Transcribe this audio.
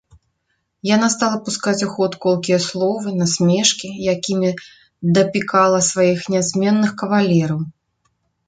Яна стала пускаць у ход колкія словы, насмешкі, якімі дапікала сваіх нязменных кавалераў.